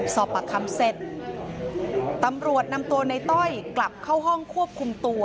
สอบปากคำเสร็จตำรวจนำตัวในต้อยกลับเข้าห้องควบคุมตัว